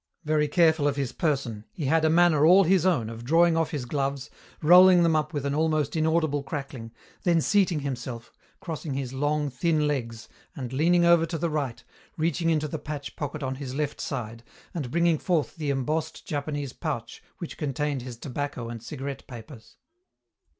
Very careful of his person, he had a manner all his own of drawing off his gloves, rolling them up with an almost inaudible crackling, then seating himself, crossing his long, thin legs, and leaning over to the right, reaching into the patch pocket on his left side and bringing forth the embossed Japanese pouch which contained his tobacco and cigarette papers.